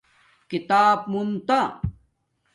کھیتاپ مُون